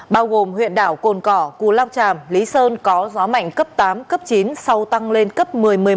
bao gồm huyện đảo cồn cỏ cù lao tràm lý sơn có gió mạnh cấp tám cấp chín sau tăng lên cấp một mươi một mươi một